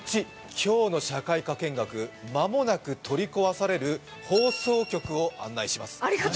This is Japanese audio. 今日の社会科見学、間もなく取り壊される放送局を案内します。